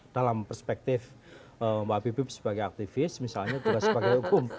dalam perspektif mbak habibip sebagai aktivis misalnya juga sebagai hukum